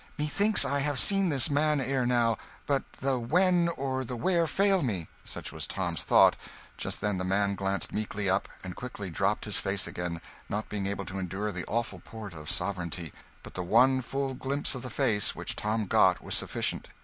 "Methinks I have seen this man ere now ... but the when or the where fail me." Such was Tom's thought. Just then the man glanced quickly up and quickly dropped his face again, not being able to endure the awful port of sovereignty; but the one full glimpse of the face which Tom got was sufficient.